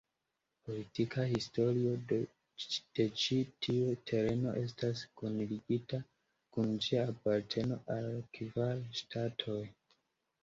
Politika historio de ĉi tiu tereno estas kunligita kun ĝia aparteno al kvar ŝtatoj.